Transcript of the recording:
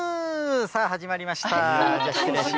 さあ、始まりました。